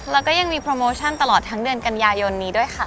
แล้วก็ยังมีโปรโมชั่นตลอดทั้งเดือนกันยายนนี้ด้วยค่ะ